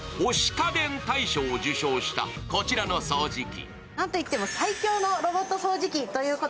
家電大賞を受賞したこちらの掃除機。